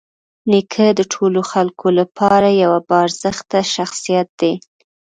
نیکه د ټولو خلکو لپاره یوه باارزښته شخصیت دی.